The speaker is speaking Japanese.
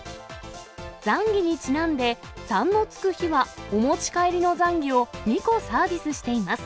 ざんぎにちなんで、３のつく日はお持ち帰りのざんぎを２個サービスしています。